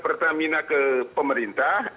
pertamina ke pemerintah